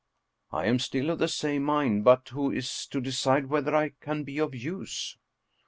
" I am still of the same mind. But who is to decide whether I can be of use?"